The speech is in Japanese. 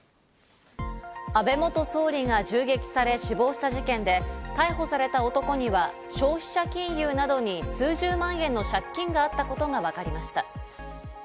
安倍元総理が銃撃され死亡した事件で、逮捕された男には消費者金融などに数十万円の借金があったことがわかりました。